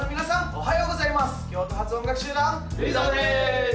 おはようございます京都発音楽集団ＷＩＴＨＤＯＭです！